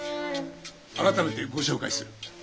改めてご紹介する。